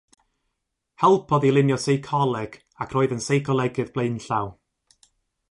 Helpodd i lunio seicoleg ac roedd yn seicolegydd blaenllaw.